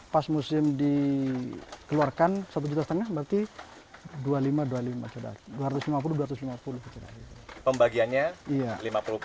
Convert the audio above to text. pas musim dikeluarkan rp satu lima ratus berarti rp dua ratus lima puluh